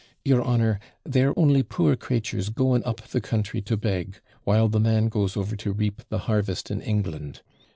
'Your honour, they're only poor CRATURES going up the country to beg, while the man goes over to reap the harvest in England.